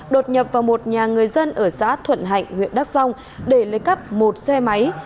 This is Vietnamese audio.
đột nhập vào một nhà người dân ở xã thuận hạnh huyện đắk rông để lấy cắp một xe máy